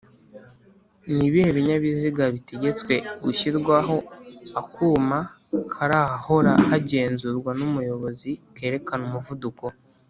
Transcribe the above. Nibihe binyabiziga bitegetswe gushyirwaho akuma kari ahahora hagenzurwa n’umuyobozi kerekana umuvuduko